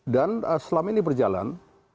dan selama ini berjalan